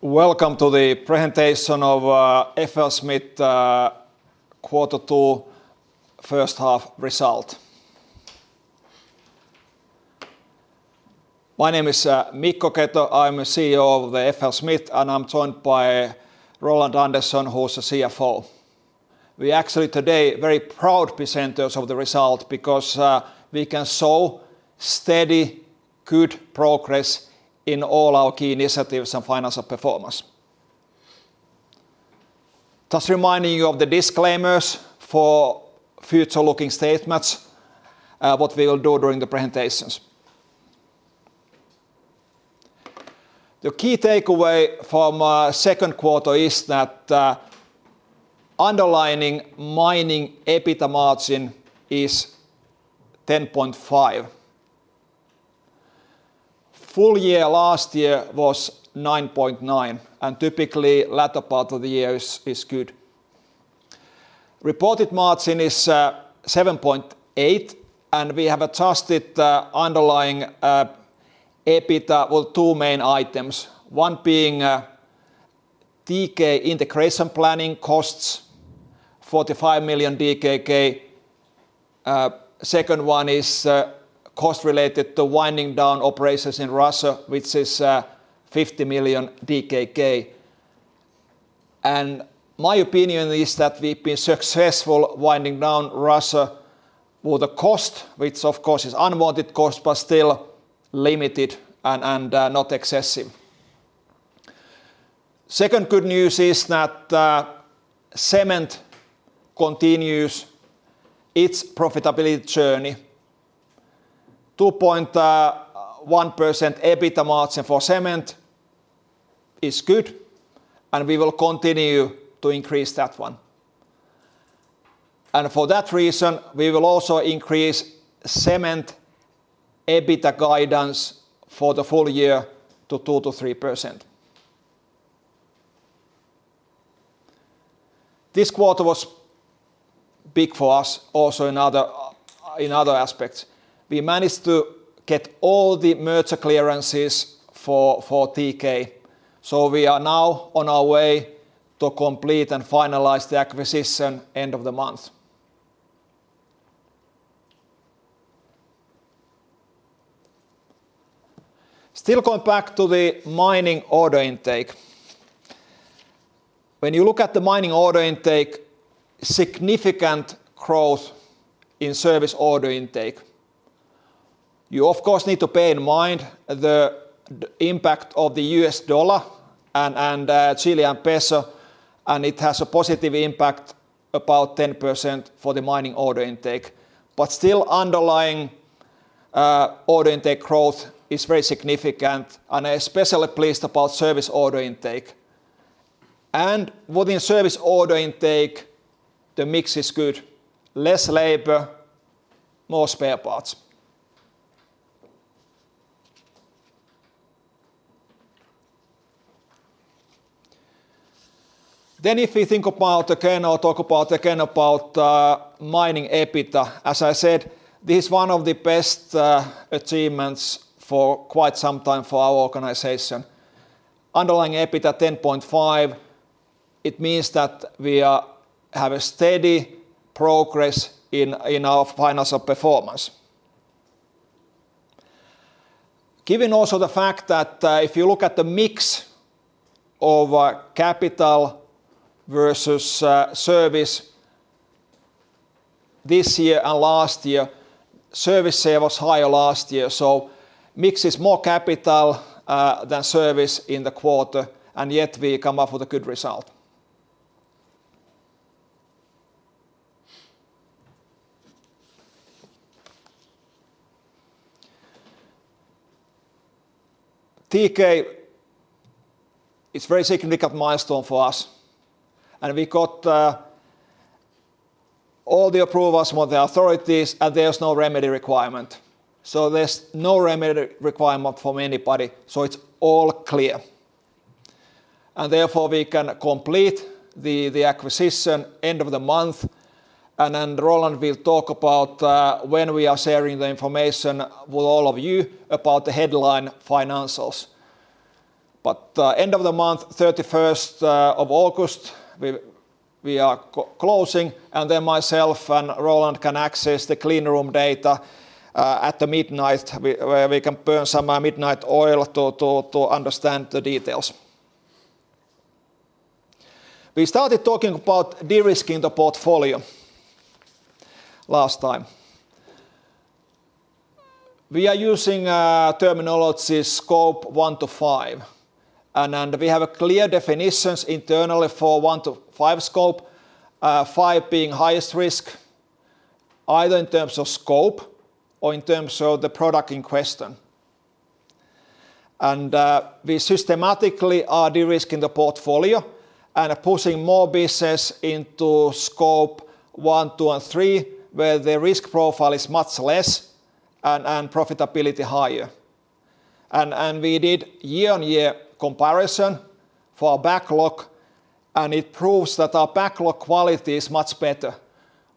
Welcome to the presentation of FLSmidth quarter two first half result. My name is Mikko Keto. I'm the CEO of FLSmidth, and I'm joined by Roland Andersen, who's the CFO. We actually today very proud presenters of the result because we can show steady good progress in all our key initiatives and financial performance. Just reminding you of the disclaimers for forward-looking statements, what we will do during the presentation. The key takeaway from second quarter is that underlying mining EBITDA margin is 10.5%. Full year last year was 9.9%, and typically latter part of the year is good. Reported margin is 7.8%, and we have adjusted the underlying EBITDA with two main items. One being TK integration planning costs, 45 million DKK. Second one is cost related to winding down operations in Russia, which is 50 million DKK. My opinion is that we've been successful winding down Russia with a cost, which of course is unwanted cost, but still limited and not excessive. Second good news is that cement continues its profitability journey. 2.1% EBITDA margin for cement is good, and we will continue to increase that one. For that reason, we will also increase cement EBITDA guidance for the full year to 2%-3%. This quarter was big for us also in other aspects. We managed to get all the merger clearances for TK. We are now on our way to complete and finalize the acquisition end of the month. Still going back to the mining order intake. When you look at the mining order intake, significant growth in service order intake. You of course need to bear in mind the impact of the US dollar and Chilean Peso, and it has a positive impact about 10% for the mining order intake. Still underlying order intake growth is very significant, and especially pleased about service order intake. Within service order intake, the mix is good. Less labor, more spare parts. If we think about mining EBITDA, as I said, this is one of the best achievements for quite some time for our organization. Underlying EBITDA 10.5%, it means that we are have a steady progress in our financial performance. Given also the fact that, if you look at the mix of capital versus service this year and last year, service sale was higher last year. Mix is more capital than service in the quarter, and yet we come up with a good result. TK is very significant milestone for us, and we got all the approvals from the authorities, and there's no remedy requirement. There's no remedy requirement from anybody, so it's all clear. Therefore, we can complete the acquisition end of the month, and then Roland will talk about when we are sharing the information with all of you about the headline financials. End of the month, 31st of August, we are closing, and then myself and Roland can access the data clean room at midnight, where we can burn some midnight oil to understand the details. We started talking about de-risking the portfolio last time. We are using terminology Scope 1 to 5, and we have clear definitions internally for 1 to 5 Scope, 5fiv being highest risk, either in terms of scope or in terms of the product in question. We systematically are de-risking the portfolio and are pushing more business into Scope 1, 2, and 3, where the risk profile is much less and profitability higher. We did year-on-year comparison for our backlog. It proves that our backlog quality is much better.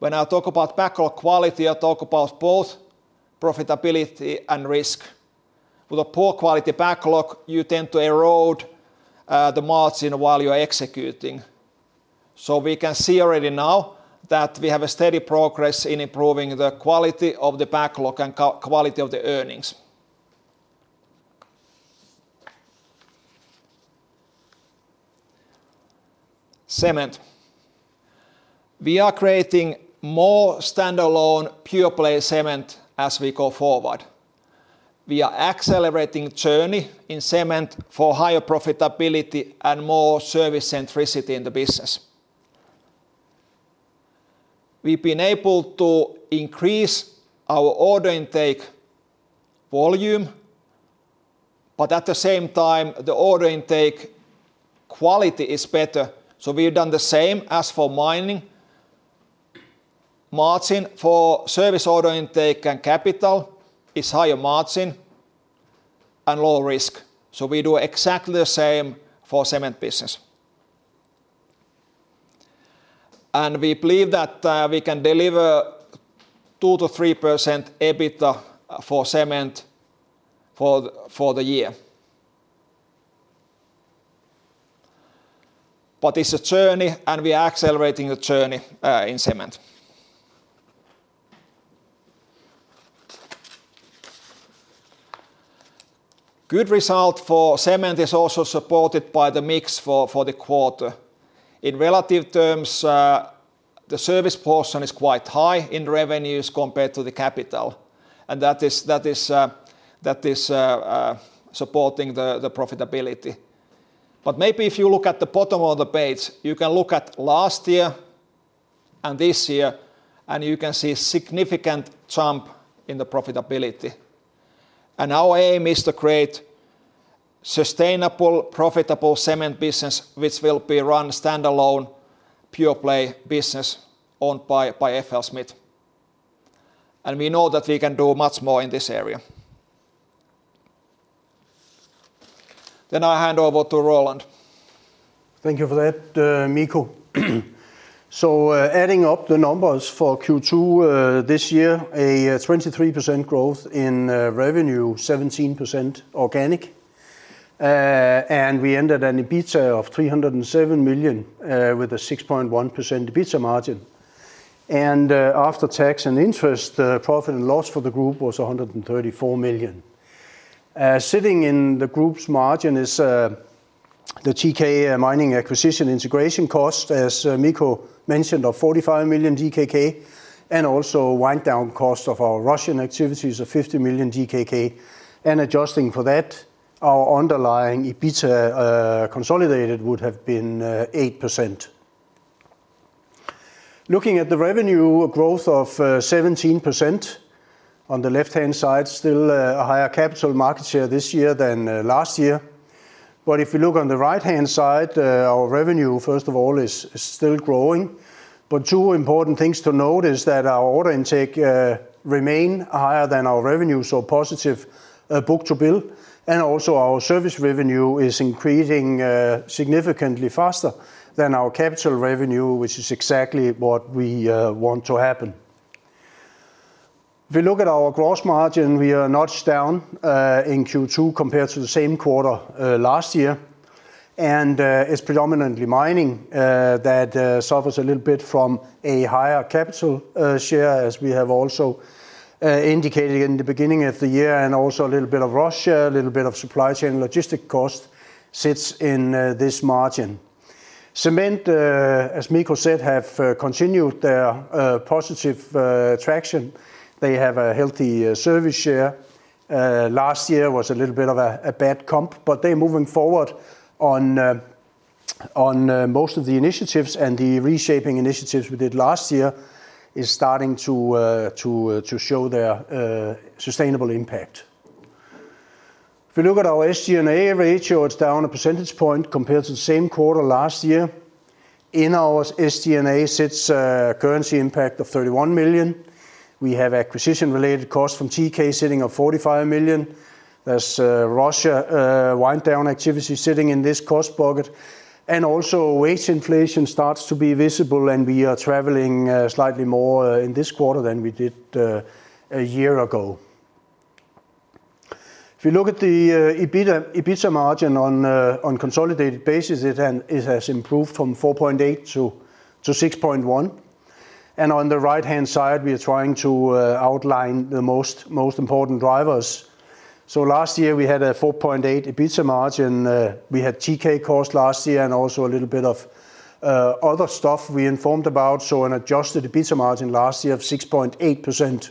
When I talk about backlog quality, I talk about both profitability and risk. With a poor quality backlog, you tend to erode the margin while you're executing. We can see already now that we have a steady progress in improving the quality of the backlog and quality of the earnings. Cement. We are creating more standalone pure play cement as we go forward. We are accelerating journey in cement for higher profitability and more service centricity in the business. We've been able to increase our order intake volume, but at the same time, the order intake quality is better. We've done the same as for mining. Margin for service order intake and capital is higher margin and lower risk. We do exactly the same for cement business. We believe that we can deliver 2%-3% EBITDA for cement for the year. It's a journey, and we are accelerating the journey in cement. Good result for cement is also supported by the mix for the quarter. In relative terms, the service portion is quite high in revenues compared to the capital, and that is supporting the profitability. Maybe if you look at the bottom of the page, you can look at last year and this year, and you can see significant jump in the profitability. Our aim is to create sustainable, profitable cement business which will be run standalone pure-play business owned by FLSmidth. We know that we can do much more in this area. I hand over to Roland. Thank you for that, Mikko. Adding up the numbers for Q2 this year, 23% growth in revenue, 17% organic. We ended with an EBITDA of 307 million with a 6.1% EBITDA margin. After tax and interest, profit and loss for the group was 134 million. Sitting in the group's margin is the mining acquisition integration cost, as Mikko mentioned, of 45 million DKK, and also wind down cost of our Russian activities of 50 million DKK. Adjusting for that, our underlying EBITDA consolidated would have been 8%. Looking at the revenue growth of 17% on the left-hand side, still a higher capital market share this year than last year. If you look on the right-hand side, our revenue, first of all, is still growing. Two important things to note is that our order intake remain higher than our revenue, so positive book-to-bill. Our service revenue is increasing significantly faster than our capital revenue, which is exactly what we want to happen. If we look at our gross margin, we are a notch down in Q2 compared to the same quarter last year. It's predominantly mining that suffers a little bit from a higher capital share, as we have also indicated in the beginning of the year and also a little bit of Russia, a little bit of supply chain logistic cost sits in this margin. Cement, as Mikko said, have continued their positive traction. They have a healthy service share. Last year was a little bit of a bad comp, but they're moving forward on most of the initiatives. The reshaping initiatives we did last year is starting to show their sustainable impact. If we look at our SG&A ratio, it's down a percentage point compared to the same quarter last year. In our SG&A sits a currency impact of 31 million. We have acquisition-related costs from TK sitting at 45 million. There's Russia wind down activity sitting in this cost bucket. Also wage inflation starts to be visible, and we are traveling slightly more in this quarter than we did a year ago. If you look at the EBITDA margin on consolidated basis, it has improved from 4.8 to 6.1. On the right-hand side, we are trying to outline the most important drivers. Last year, we had a 4.8 EBITDA margin. We had TK cost last year and also a little bit of other stuff we informed about, so an adjusted EBITDA margin last year of 6.8%.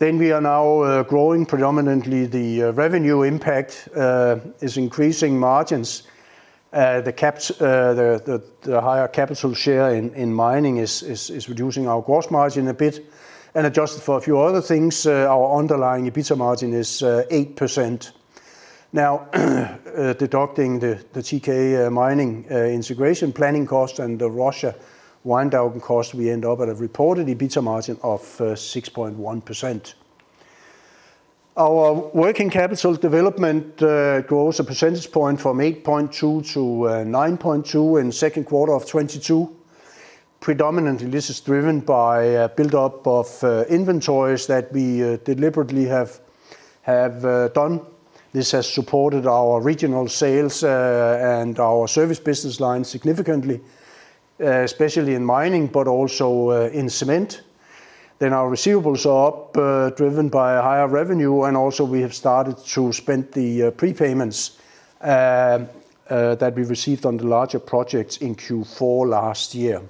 We are now growing predominantly. The revenue impact is increasing margins. The higher CapEx share in mining is reducing our gross margin a bit. Adjusted for a few other things, our underlying EBITDA margin is 8%. Now, deducting the TK mining integration planning cost and the Russia wind-down cost, we end up at a reported EBITDA margin of 6.1%. Our working capital development grows a percentage point from 8.2% to 9.2% in second quarter of 2022. Predominantly, this is driven by a buildup of inventories that we deliberately have done. This has supported our regional sales and our service business line significantly, especially in mining, but also in cement. Our receivables are up, driven by a higher revenue, and also we have started to spend the prepayments that we received on the larger projects in Q4 last year.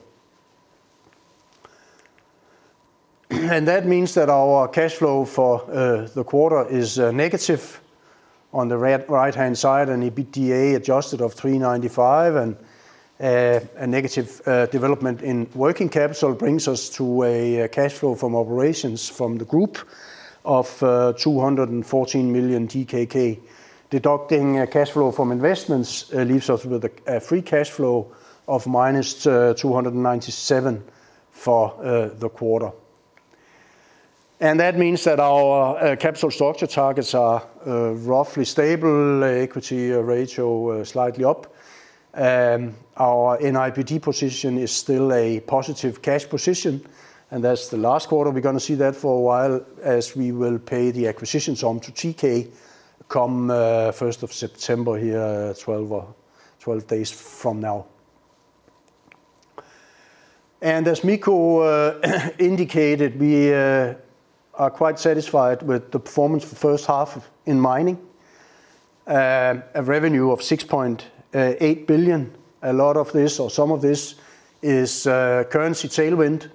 That means that our cash flow for the quarter is negative on the right-hand side and EBITDA adjusted of 395 and a negative development in working capital brings us to a cash flow from operations from the group of 214 million DKK. Deducting cash flow from investments leaves us with a free cash flow of -297 for the quarter. That means that our capital structure targets are roughly stable, equity ratio slightly up. Our NIBD position is still a positive cash position, and that's the last quarter we're gonna see that for a while as we will pay the acquisition to TK come first of September here, 12 days from now. As Mikko indicated, we are quite satisfied with the performance for the first half in mining. A revenue of 6.8 billion. A lot of this or some of this is currency tailwind,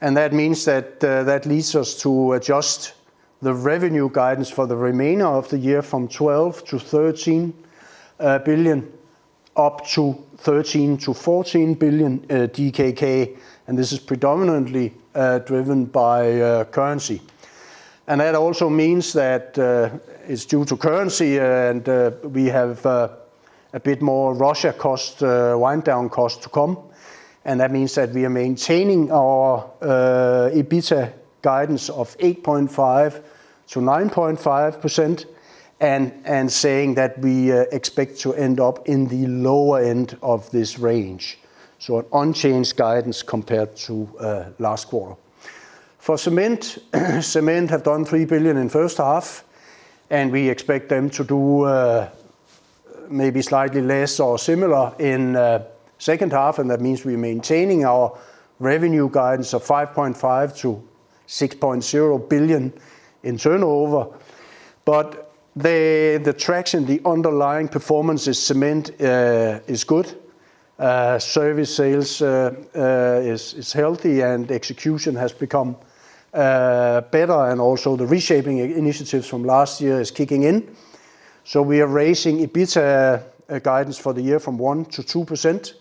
and that means that leads us to adjust the revenue guidance for the remainder of the year from 12-13 billion up to 13-14 billion DKK, and this is predominantly driven by currency. That also means that it's due to currency and we have a bit more Russian wind-down costs to come. that means that we are maintaining our EBITDA guidance of 8.5%-9.5% and saying that we expect to end up in the lower end of this range, so an unchanged guidance compared to last quarter. For cement have done 3 billion in first half, and we expect them to do maybe slightly less or similar in second half, and that means we're maintaining our revenue guidance of 5.5 billion-6.0 billion in turnover. But the traction, the underlying performance is cement is good. Service sales is healthy and execution has become better and also the reshaping initiatives from last year is kicking in. We are raising EBITDA guidance for the year from 1%-2%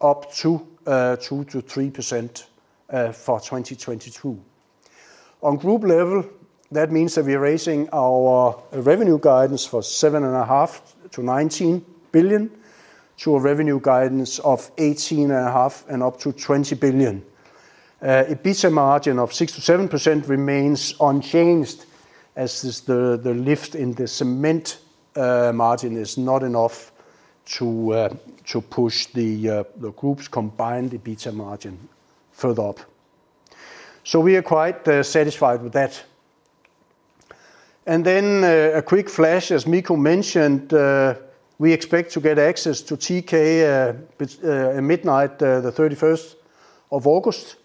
up to 2%-3% for 2022. On group level, that means that we're raising our revenue guidance from 7.5 billion-19 billion to a revenue guidance of 18.5 billion-20 billion. EBITDA margin of 6%-7% remains unchanged as the lift in the cement margin is not enough to push the group's combined EBITDA margin further up. We are quite satisfied with that. A quick flash, as Mikko mentioned, we expect to get access to TK midnight the 31st of August,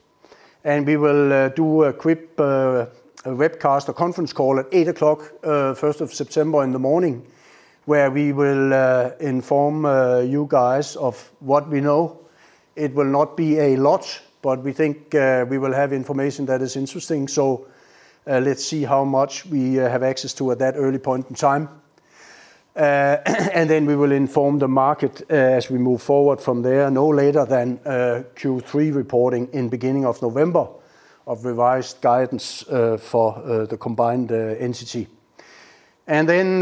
and we will do a quick webcast, a conference call at 8:00 A.M. the 1st of September in the morning, where we will inform you guys of what we know. It will not be a lot, but we think we will have information that is interesting. Let's see how much we have access to at that early point in time. We will inform the market as we move forward from there, no later than Q3 reporting in beginning of November of revised guidance for the combined entity. Then,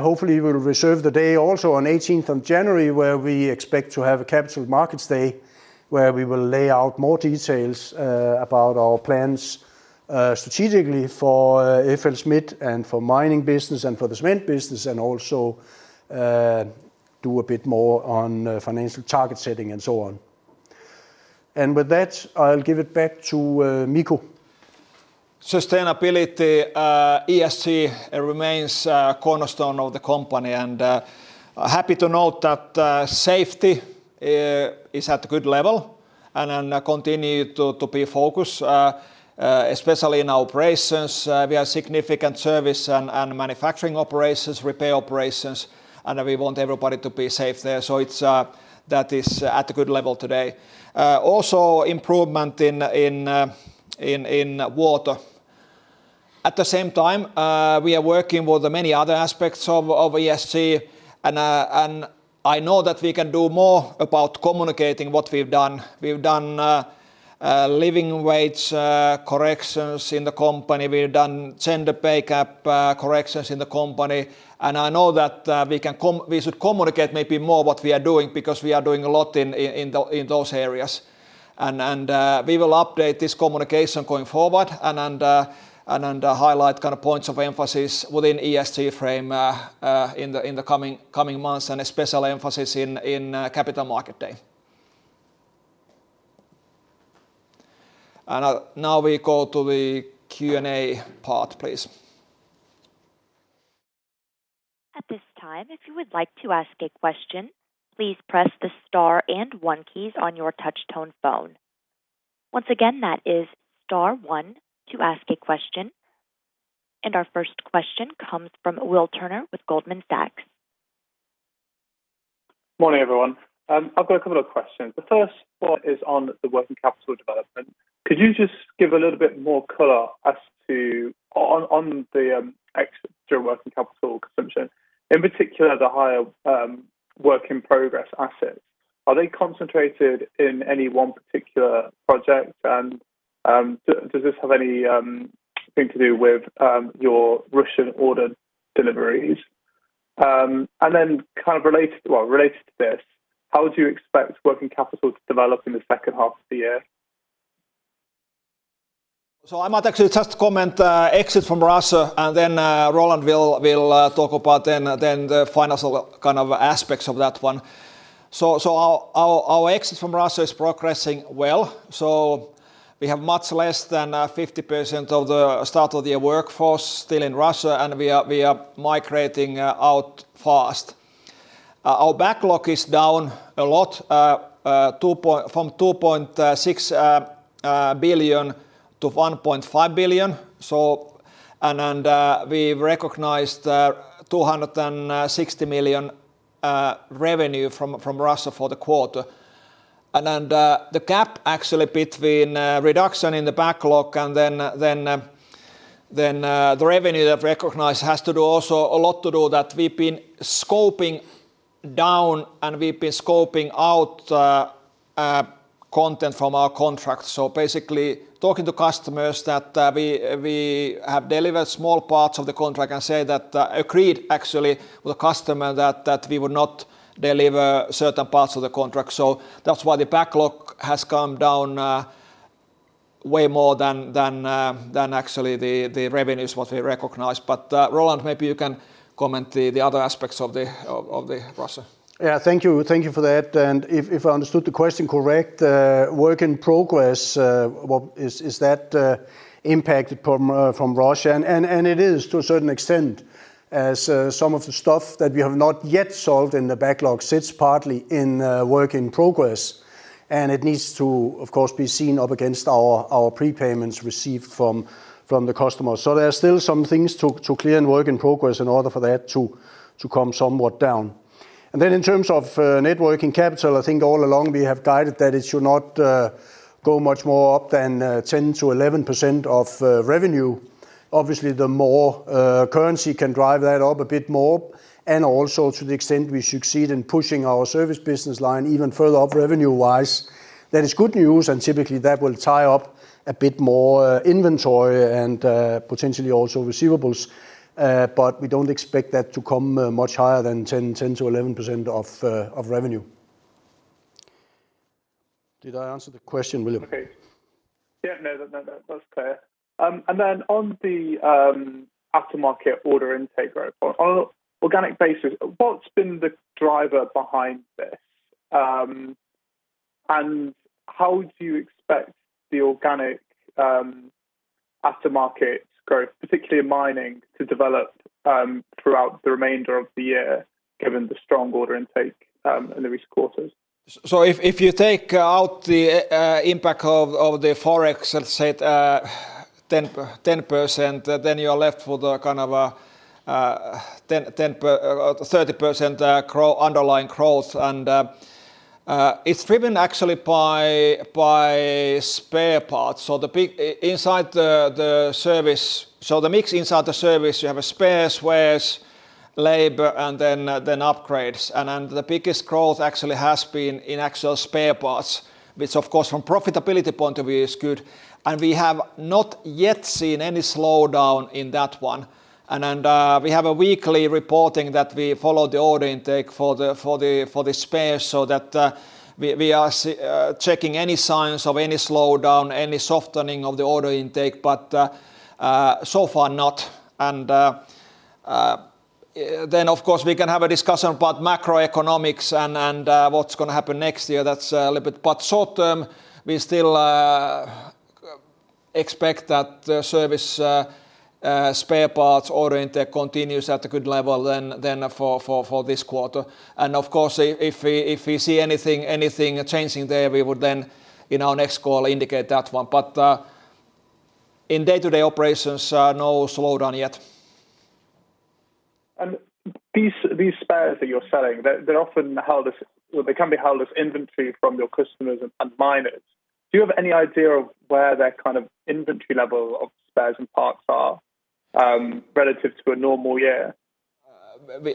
hopefully, we'll reserve the day also on eighteenth of January, where we expect to have a Capital Markets Day, where we will lay out more details about our plans strategically for FLSmidth and for mining business and for the cement business and also do a bit more on financial target setting and so on. With that, I'll give it back to Mikko. Sustainability, ESG remains cornerstone of the company, and happy to note that safety is at a good level and continue to be a focus, especially in our operations. We have significant service and manufacturing operations, repair operations, and we want everybody to be safe there. It is at a good level today. Also improvement in water. At the same time, we are working with many other aspects of ESG and I know that we can do more about communicating what we've done. We've done living wage corrections in the company. We've done gender pay gap corrections in the company. I know that we should communicate maybe more what we are doing because we are doing a lot in those areas. We will update this communication going forward and highlight kind of points of emphasis within ESG frame in the coming months and especially emphasis in Capital Markets Day. Now we go to the Q&A part, please. At this time, if you would like to ask a question, please press the star and one keys on your touch tone phone. Once again, that is star one to ask a question. Our first question comes from William Turner with Goldman Sachs. Morning, everyone. I've got a couple of questions. The first one is on the working capital development. Could you just give a little bit more color as to the exit during working capital consumption, in particular, the higher work in progress assets. Are they concentrated in any one particular project? Does this have any thing to do with your Russian order deliveries? Then kind of related to this, how would you expect working capital to develop in the second half of the year? I might actually just comment exit from Russia, and then Roland will talk about the financial kind of aspects of that one. Our exit from Russia is progressing well. We have much less than 50% of the start of the year workforce still in Russia, and we are migrating out fast. Our backlog is down a lot from 2.6 billion to 1.5 billion. We recognized 260 million revenue from Russia for the quarter. The gap actually between reduction in the backlog and then the revenue recognized has also a lot to do with that we've been scoping down, and we've been scoping out content from our contract. Basically talking to customers that we have delivered small parts of the contract and say that we agreed actually with the customer that we would not deliver certain parts of the contract. That's why the backlog has come down way more than actually the revenues that we recognize. Roland, maybe you can comment on the other aspects of the Russia. Yeah. Thank you. Thank you for that. If I understood the question correct, work in progress, is that impacted from Russia? It is to a certain extent as some of the stuff that we have not yet solved in the backlog sits partly in work in progress. It needs to, of course, be seen up against our prepayments received from the customers. There are still some things to clear in work in progress in order for that to come somewhat down. Then in terms of net working capital, I think all along we have guided that it should not go much more up than 10%-11% of revenue. Obviously, the more currency can drive that up a bit more and also to the extent we succeed in pushing our service business line even further up revenue-wise. That is good news, and typically, that will tie up a bit more inventory and potentially also receivables. We don't expect that to come much higher than 10%-11% of revenue. Did I answer the question, William? Okay. Yeah. That's clear. On the aftermarket order intake growth, on organic basis, what's been the driver behind this? How do you expect the organic aftermarket growth, particularly in mining, to develop throughout the remainder of the year, given the strong order intake in the recent quarters? If you take out the impact of the Forex, let's say 10%, then you are left with a kind of a 30% underlying growth. It's driven actually by spare parts. The mix inside the service, you have spares, wears, labor, and then upgrades. The biggest growth actually has been in actual spare parts, which of course from profitability point of view is good. We have not yet seen any slowdown in that one. We have a weekly reporting that we follow the order intake for the spares so that we are checking any signs of any slowdown, any softening of the order intake. So far not. Of course we can have a discussion about macroeconomics and what's gonna happen next year. That's a little bit. Short-term, we still expect that the service spare parts order intake continues at a good level than for this quarter. Of course, if we see anything changing there, we would then in our next call indicate that one. In day-to-day operations, no slowdown yet. These spares that you're selling, they're often held as inventory from your customers and miners. Do you have any idea of where that kind of inventory level of spares and parts are relative to a normal year?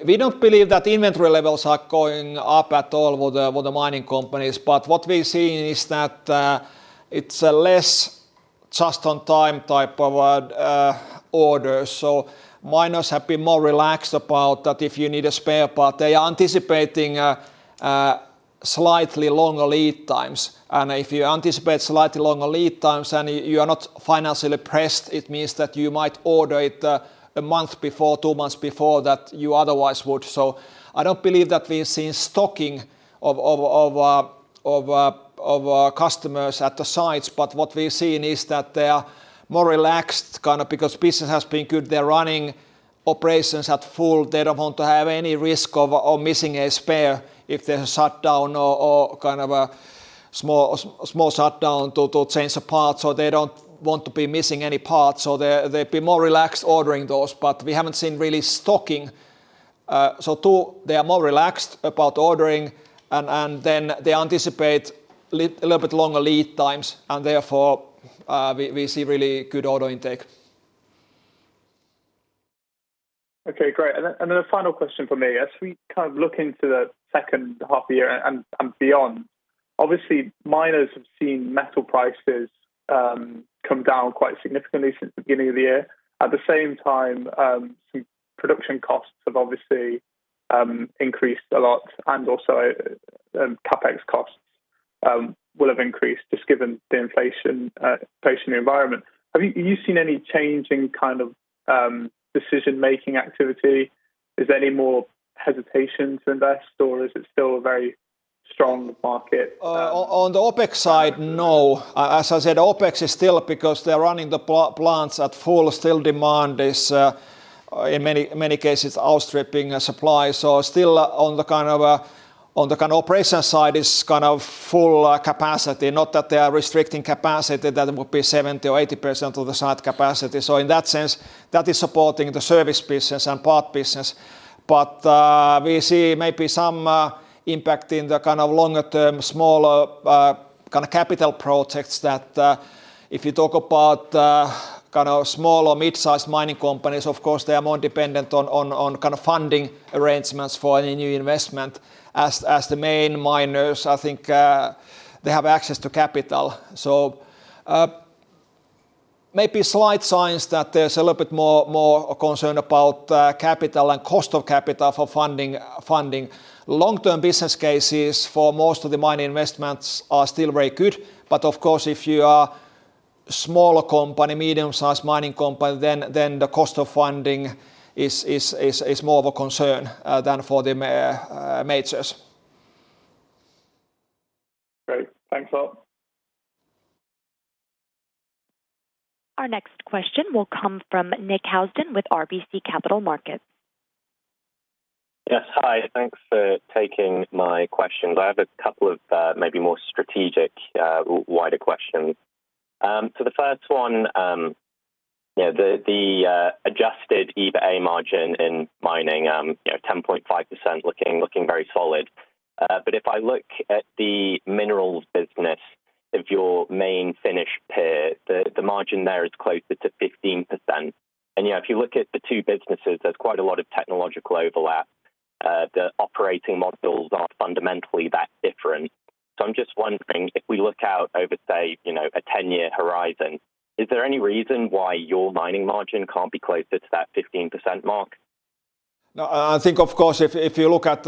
We don't believe that inventory levels are going up at all with the mining companies. What we've seen is that it's less just-in-time type of order. Miners have been more relaxed about that if you need a spare part. They are anticipating a slightly longer lead times. If you anticipate slightly longer lead times and you are not financially pressed, it means that you might order it a month before, two months before that you otherwise would. I don't believe that we've seen stocking of customers at the sites, but what we're seeing is that they are more relaxed kinda because business has been good. They're running operations at full. They don't want to have any risk of missing a spare if there's a shutdown or kind of a small shutdown to change a part, so they don't want to be missing any parts. They've been more relaxed ordering those. We haven't seen real stocking. Too, they are more relaxed about ordering and then they anticipate little bit longer lead times and therefore, we see really good order intake. Okay, great. A final question from me. As we kind of look into the second half of the year and beyond, obviously miners have seen metal prices come down quite significantly since the beginning of the year. At the same time, some production costs have obviously increased a lot, and also, CapEx costs will have increased just given the inflation environment. Have you seen any change in kind of decision-making activity? Is there any more hesitation to invest, or is it still a very strong market? On the OpEx side, no. As I said, OpEx is still because they're running the plants at full. Still demand is in many cases outstripping supply. So still on the kind of operation side is kind of full capacity, not that they are restricting capacity, that it would be 70% or 80% of the site capacity. So in that sense, that is supporting the service business and part business. But we see maybe some impact in the kind of longer term, smaller kind of capital projects that if you talk about kind of small or midsize mining companies, of course, they are more dependent on kind of funding arrangements for any new investment as the main miners. I think they have access to capital. Maybe slight signs that there's a little bit more concern about capital and cost of capital for funding. Long-term business cases for most of the mining investments are still very good. Of course, if you are a smaller company, medium-sized mining company, then the cost of funding is more of a concern than for the majors. Great. Thanks all. Our next question will come from Nick Housden with RBC Capital Markets. Yes. Hi. Thanks for taking my questions. I have a couple of, maybe more strategic, wider questions. The first one, the adjusted EBITDA margin in mining, you know, 10.5% looking very solid. If I look at the minerals business of your main Finnish peer, the margin there is closer to 15%. You know, if you look at the two businesses, there's quite a lot of technological overlap. The operating models aren't fundamentally that different. I'm just wondering, if we look out over, say, you know, a 10-year horizon, is there any reason why your mining margin can't be closer to that 15% mark? No. I think of course if you look at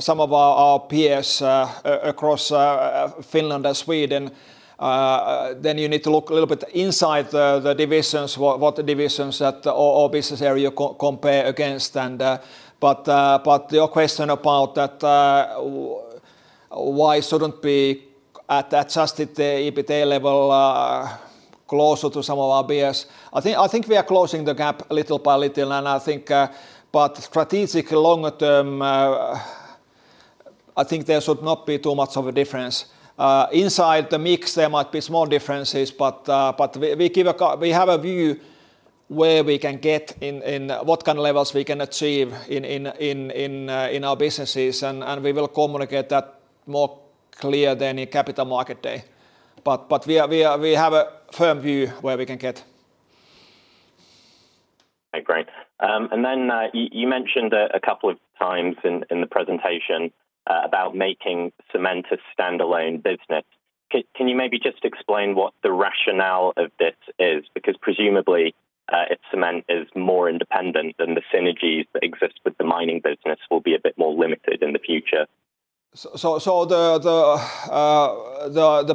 some of our peers across Finland and Sweden, then you need to look a little bit inside the divisions, what the divisions that or business area compare against. Your question about that, why shouldn't be at adjusted the EBITDA level closer to some of our peers. I think we are closing the gap little by little, and I think strategic longer term I think there should not be too much of a difference. Inside the mix there might be small differences, but we have a view where we can get in what kind of levels we can achieve in our businesses, and we will communicate that more clear than in Capital Markets Day. We have a firm view where we can get. Okay. Great. You mentioned a couple of times in the presentation about making cement a standalone business. Can you maybe just explain what the rationale of this is? Because presumably, if cement is more independent, then the synergies that exist with the mining business will be a bit more limited in the future. The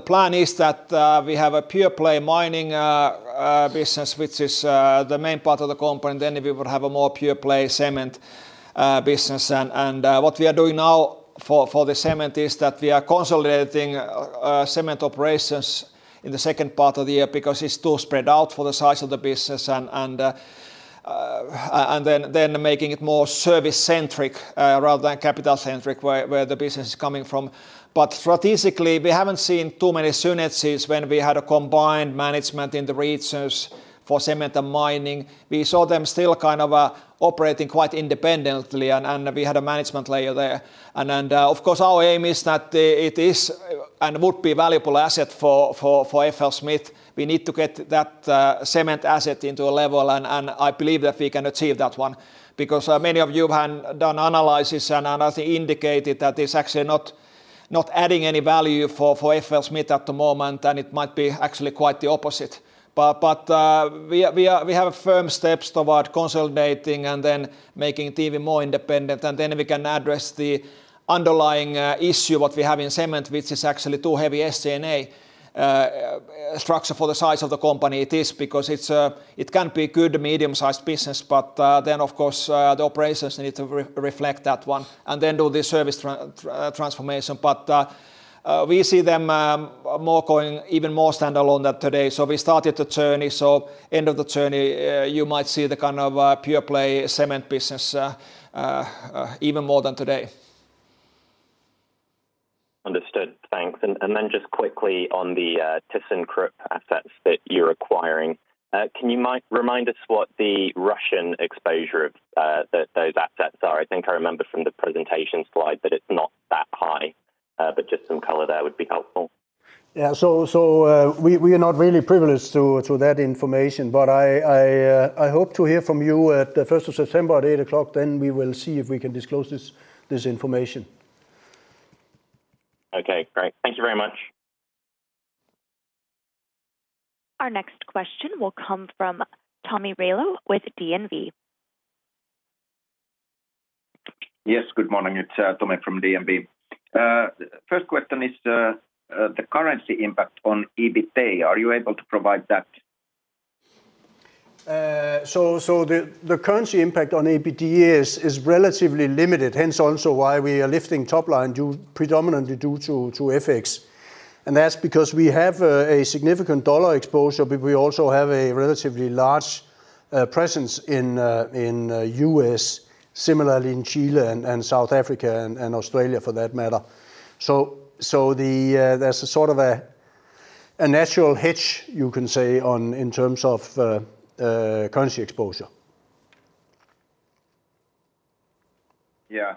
plan is that we have a pure play mining business which is the main part of the company, and then we would have a more pure play cement business. What we are doing now for the cement is that we are consolidating cement operations in the second part of the year because it's too spread out for the size of the business and then making it more service-centric rather than capital-centric where the business is coming from. Strategically, we haven't seen too many synergies when we had a combined management in the regions for cement and mining. We saw them still kind of operating quite independently and we had a management layer there. Of course, our aim is that it is and would be a valuable asset for FLSmidth. We need to get that cement asset into a level, and I believe that we can achieve that one. Many of you have done analysis and as indicated that it's actually not adding any value for FLSmidth at the moment, and it might be actually quite the opposite. We have firm steps toward consolidating and then making it even more independent. We can address the underlying issue what we have in cement, which is actually too heavy SG&A structure for the size of the company it is. Because it can be good medium-sized business, but then of course the operations need to reflect that one, and then do the service transformation. We see them more going even more standalone than today. We started the journey. End of the journey, you might see the kind of pure play cement business even more than today. Understood. Thanks. Just quickly on the assets that you're acquiring. Can you remind us what the Russian exposure of those assets are? I think I remember from the presentation slide that it's not that high. Just some color there would be helpful. We are not really privileged to that information. I hope to hear from you at the 1st of September at eight o'clock, then we will see if we can disclose this information. Okay, great. Thank you very much. Our next question will come from Tomi Railo with DNB. Yes, good morning. It's Tomi from DNB. First question is the currency impact on EBITDA, are you able to provide that? The currency impact on EBITDA is relatively limited, hence also why we are lifting top line due predominantly to FX. That's because we have a significant dollar exposure, but we also have a relatively large presence in the U.S., similarly in Chile and South Africa and Australia for that matter. There's a sort of natural hedge you can say in terms of currency exposure. Yeah.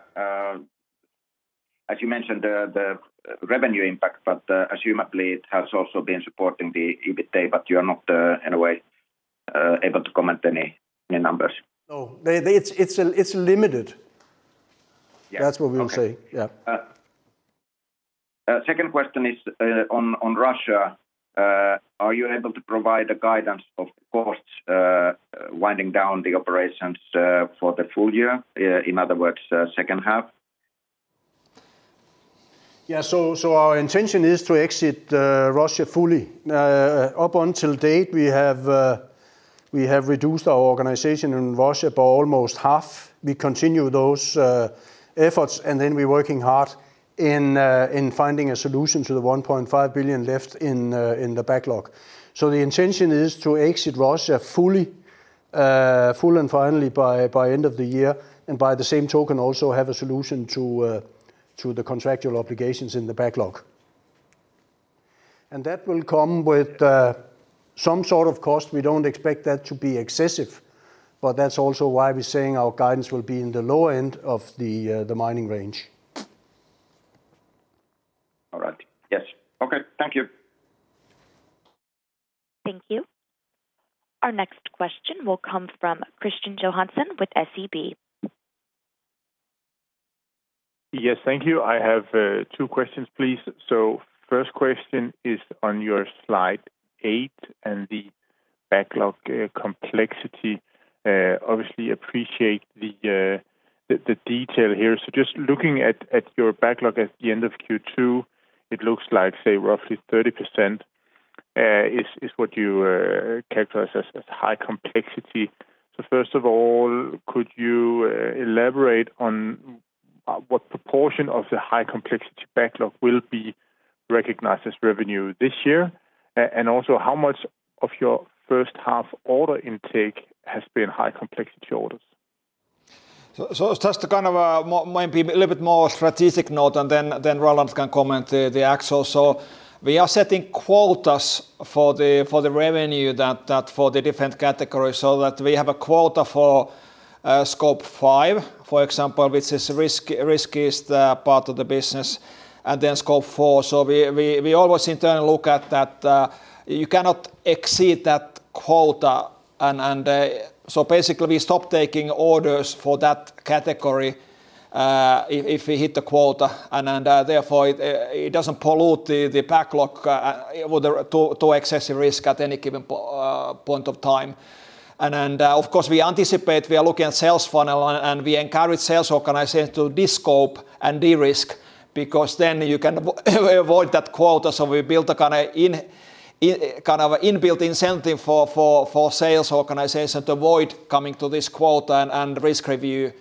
As you mentioned, the revenue impact, but presumably it has also been supporting the EBITDA, but you are not, in a way, able to comment any numbers. No. They. It's limited. Yeah. Okay. That's what we would say. Yeah. Second question is on Russia. Are you able to provide a guidance of costs winding down the operations for the full year, in other words, second half? Yeah. Our intention is to exit Russia fully. Up to date, we have reduced our organization in Russia by almost half. We continue those efforts, and then we're working hard in finding a solution to the 1.5 billion left in the backlog. Our intention is to exit Russia fully, full and finally by end of the year, and by the same token, also have a solution to the contractual obligations in the backlog. That will come with some sort of cost. We don't expect that to be excessive, but that's also why we're saying our guidance will be in the low end of the mining range. All right. Yes. Okay. Thank you. Thank you. Our next question will come from Kristian Johansen with SEB. Yes. Thank you. I have two questions, please. First question is on your slide eight and the backlog complexity. Obviously appreciate the detail here. Just looking at your backlog at the end of Q2, it looks like, say, roughly 30% is what you characterize as high complexity. First of all, could you elaborate on what proportion of the high complexity backlog will be recognized as revenue this year? And also, how much of your first half order intake has been high complexity orders? Just to kind of maybe a little bit more strategic note, and then Roland can comment the actual. We are setting quotas for the revenue that, for the different categories, so that we have a quota for Scope 5, for example, which is riskiest part of the business, and then Scope 4. We always in turn look at that. You cannot exceed that quota. Basically, we stop taking orders for that category if we hit the quota, and therefore it doesn't pollute the backlog with too excessive risk at any given point of time. Of course, we anticipate, we are looking at sales funnel and we encourage sales organization to descope and de-risk, because then you can avoid that quota. We built a kind of inbuilt incentive for sales organization to avoid coming to this quota and risk review.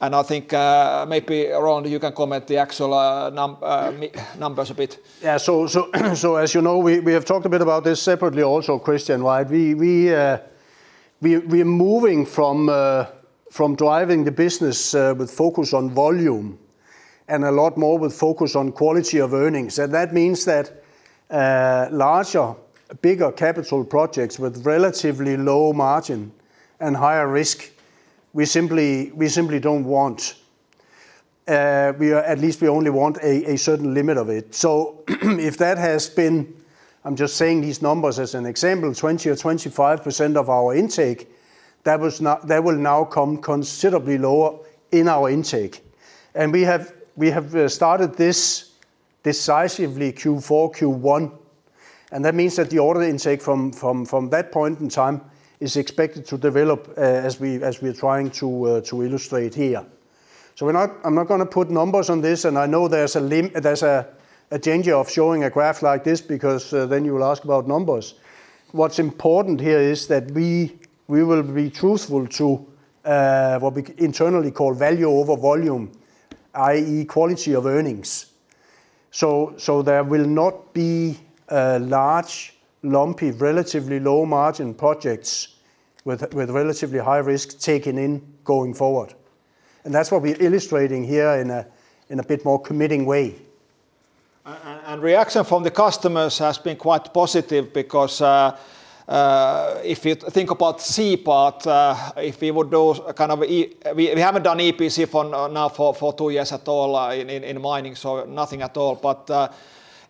I think, maybe Roland you can comment on the actual numbers a bit. Yeah, as you know, we have talked a bit about this separately also, Christian, right? We're moving from driving the business with focus on volume and a lot more with focus on quality of earnings. That means that larger, bigger capital projects with relatively low margin and higher risk, we simply don't want. At least we only want a certain limit of it. If that has been, I'm just saying these numbers as an example, 20% or 25% of our intake. That will now come considerably lower in our intake. We have started this decisively Q4, Q1, and that means that the order intake from that point in time is expected to develop as we're trying to illustrate here. I'm not gonna put numbers on this, and I know there's a danger of showing a graph like this because then you will ask about numbers. What's important here is that we will be truthful to what we internally call value over volume, i.e. quality of earnings. There will not be large, lumpy, relatively low-margin projects with relatively high risk taken in going forward. That's what we're illustrating here in a bit more committing way. Reaction from the customers has been quite positive because if you think about C part, if we would do a kind of E. We haven't done EPC for two years at all in mining, so nothing at all.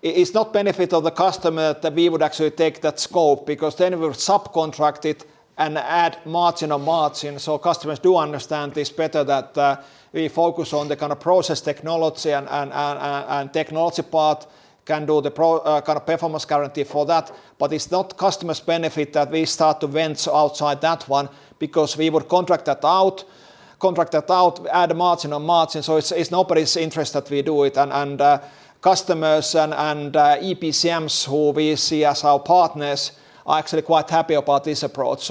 It's not benefit of the customer that we would actually take that scope because then we'll subcontract it and add margin on margin. Customers do understand this better that we focus on the kind of process technology and technology part can do the kind of performance guarantee for that. It's not customer's benefit that we start to venture outside that one because we would contract that out, add margin on margin. It's nobody's interest that we do it. Customers and EPCMs who we see as our partners are actually quite happy about this approach.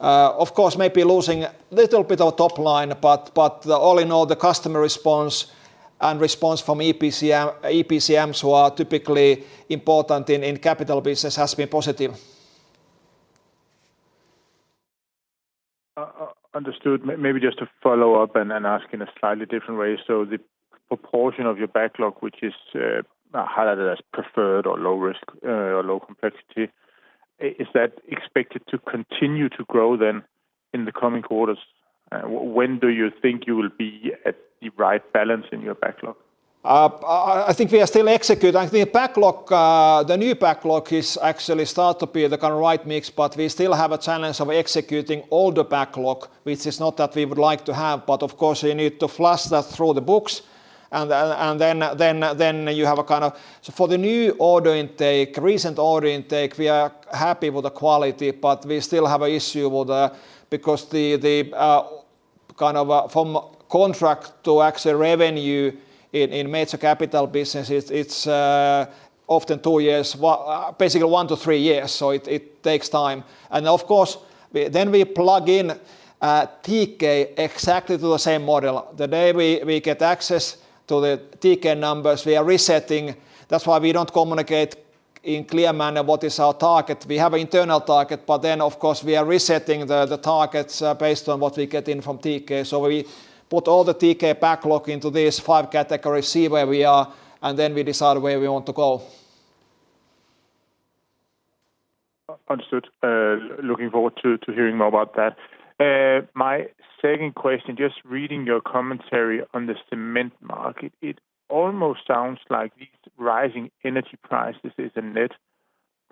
Of course maybe losing little bit of top line, but all in all, the customer response and response from EPCMs who are typically important in capital business has been positive. Understood. Maybe just to follow up and ask in a slightly different way. The proportion of your backlog which is highlighted as preferred or low risk or low complexity, is that expected to continue to grow then in the coming quarters? When do you think you will be at the right balance in your backlog? I think we are still executing. I think the backlog, the new backlog is actually starting to be the kind of right mix, but we still have a challenge of executing older backlog, which is not that we would like to have. Of course, we need to flush that through the books and then you have a kind of. For the new order intake, recent order intake, we are happy with the quality, but we still have an issue with the because the kind of from contract to actual revenue in major capital business it's often two years. Well, basically one-three years, so it takes time. Of course, then we plug in TK exactly to the same model. The day we get access to the TK numbers, we are resetting. That's why we don't communicate in clear manner what is our target. We have internal target, but then of course we are resetting the targets, based on what we get in from TK. We put all the TK backlog into these five categories, see where we are, and then we decide where we want to go. Understood. Looking forward to hearing more about that. My second question, just reading your commentary on the cement market, it almost sounds like these rising energy prices is a net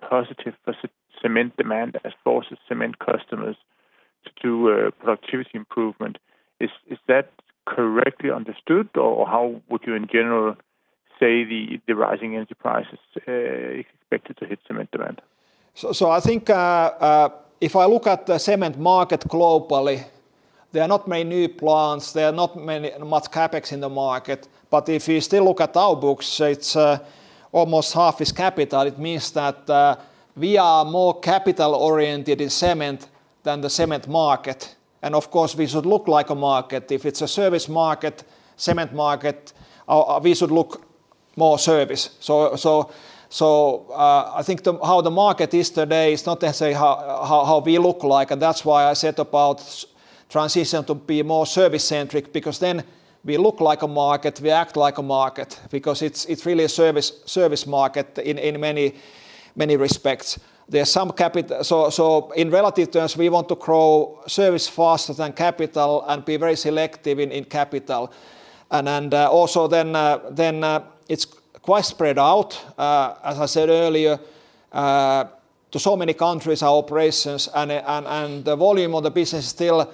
positive for cement demand as far as cement customers to do a productivity improvement. Is that correctly understood? Or how would you in general say the rising energy prices is expected to hit cement demand? I think if I look at the cement market globally, there are not many new plants, there is not much CapEx in the market. If you still look at our books, it's almost 1/2 is capital. It means that we are more capital-oriented in cement than the cement market. Of course we should look like a market. If it's a service market, cement market, we should look more service. I think how the market is today is not necessarily how we look like, and that's why I said about transition to be more service-centric because then we look like a market, we act like a market because it's really a service market in many respects. In relative terms, we want to grow service faster than capital and be very selective in capital. Also, then it's quite spread out. As I said earlier, in so many countries our operations and the volume of the business is still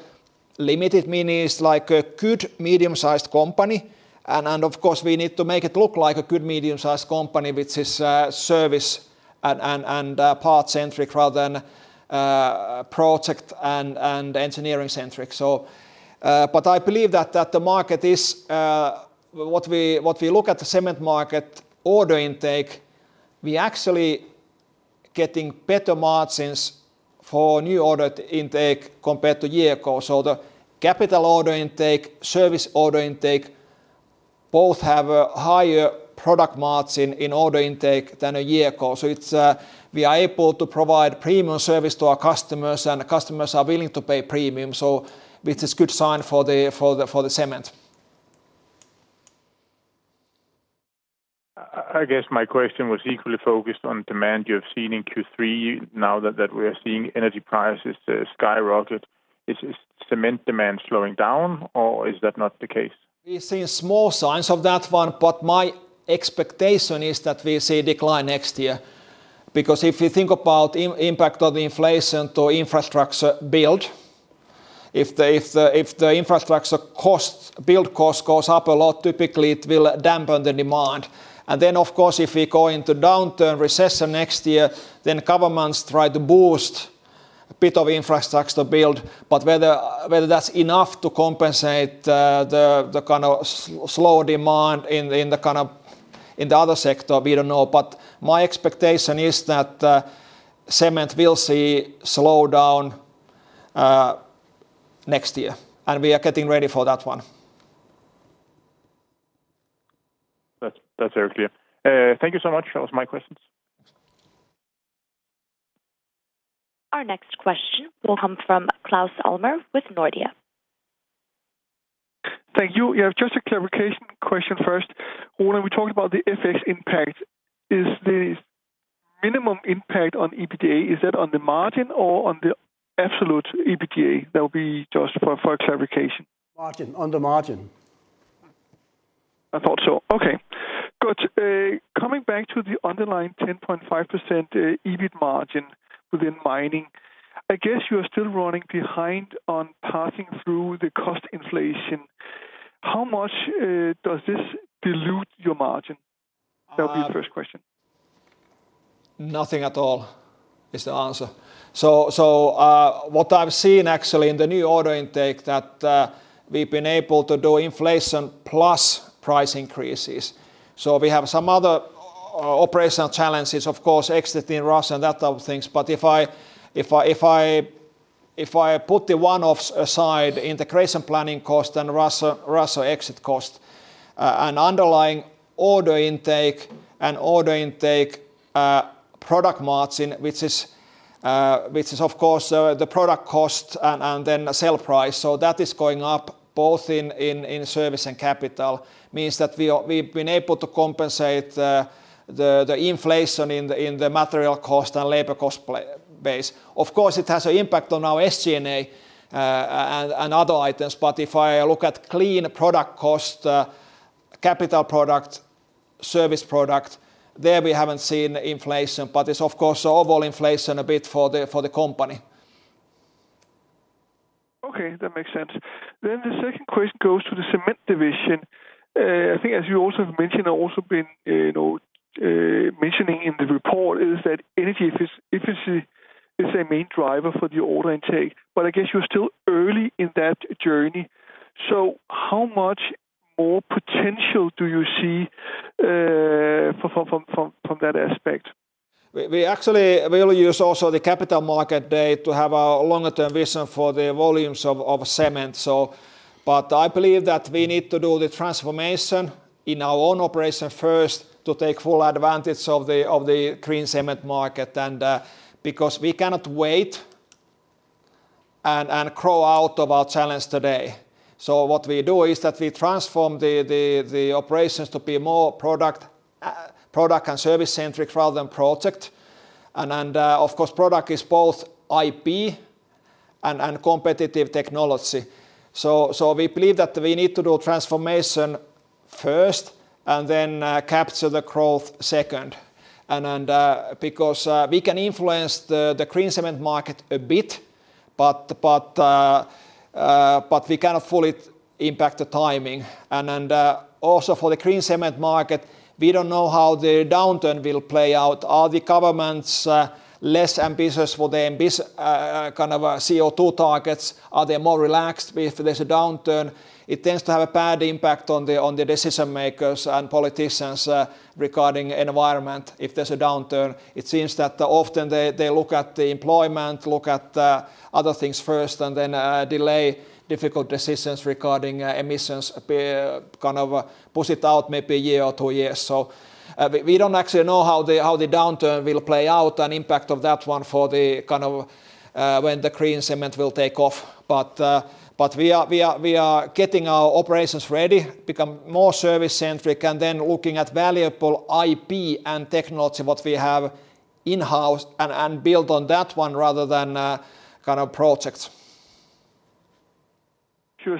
limited, meaning it's like a good medium-sized company and of course we need to make it look like a good medium-sized company, which is service and parts centric rather than project and engineering centric. I believe that the market is. When we look at the cement market order intake, we're actually getting better margins for new order intake compared to a year ago. The capital order intake, service order intake both have a higher product margin in order intake than a year ago. It's we are able to provide premium service to our customers, and customers are willing to pay premium, so which is good sign for the cement. I guess my question was equally focused on demand you have seen in Q3 now that we're seeing energy prices skyrocket. Is cement demand slowing down or is that not the case? We've seen small signs of that one, but my expectation is that we see a decline next year. If you think about impact of the inflation to infrastructure build, if the infrastructure build cost goes up a lot, typically it will dampen the demand. Of course, if we go into downturn, recession next year, then governments try to boost a bit of infrastructure build. Whether that's enough to compensate the kind of slow demand in the other sector, we don't know. My expectation is that cement will see slowdown next year, and we are getting ready for that one. That's very clear. Thank you so much. That was my questions. Our next question will come from Claus Almer with Nordea. Thank you. Yeah, just a clarification question first. When are we talking about the FX impact, is the net impact on EBITDA, is that on the margin or on the absolute EBITDA? That will be just for clarification. Margin. On the margin. I thought so. Okay. Good. Coming back to the underlying 10.5% EBIT margin within mining, I guess you are still running behind on passing through the cost inflation. How much does this dilute your margin? That'll be the first question. Nothing at all is the answer. What I've seen actually in the new order intake we've been able to do inflation plus price increases. We have some other operational challenges, of course, exiting Russia and that type of things. If I put the one-offs aside, integration planning cost and Russia exit cost, and underlying order intake and order intake product margin, which is of course the product cost and then the sale price. That is going up both in service and capital, means that we've been able to compensate the inflation in the material cost and labor cost plus base. Of course, it has an impact on our SG&A and other items. If I look at clean product cost, capital product, service product, there we haven't seen inflation. It's of course overall inflation a bit for the company. Okay. That makes sense. The second question goes to the cement division. I think as you also have mentioned and also been mentioning in the report is that energy efficiency is a main driver for the order intake, but I guess you're still early in that journey. How much more potential do you see from that aspect? We actually will use also the Capital Markets Day to have a longer term vision for the volumes of cement. I believe that we need to do the transformation in our own operation first to take full advantage of the green cement market and because we cannot wait and grow out of our challenge today. What we do is that we transform the operations to be more product and service centric rather than project. Of course, product is both IP and competitive technology. We believe that we need to do transformation first and then capture the growth second and because we can influence the green cement market a bit, but we cannot fully impact the timing. Also for the green cement market, we don't know how the downturn will play out. Are the governments less ambitious for their kind of CO2 targets? Are they more relaxed if there's a downturn? It tends to have a bad impact on the decision makers and politicians regarding environment if there's a downturn. It seems that often they look at the employment, look at other things first, and then delay difficult decisions regarding emissions, kind of, push it out maybe a year or two years. We don't actually know how the downturn will play out and impact of that one for the kind of when the green cement will take off. We are getting our operations ready, become more service centric, and then looking at valuable IP and technology what we have in-house and build on that one rather than kind of projects. Sure.